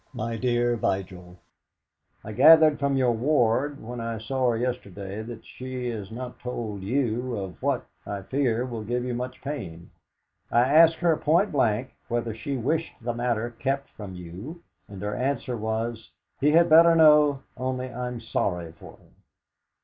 "MY DEAR VIGIL, "I gathered from your ward when I saw her yesterday that she has not told you of what, I fear, will give you much pain. I asked her point blank whether she wished the matter kept from you, and her answer was, 'He had better know only I'm sorry for him.'